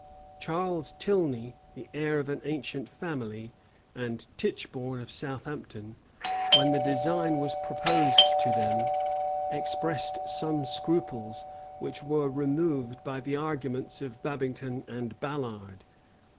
Charles Tilney, the heir of an ancient family, and Titchborne of Southampton, when the design was proposed to them, expressed some scruples, which were removed by the arguments of Babington and Ballard.